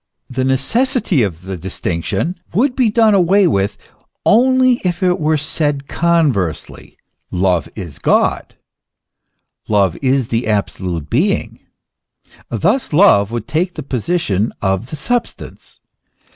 The necessity of the distinction would be done away with only if it were said conversely : Love is God, love is the absolute being. Thus love would take the position of the substance.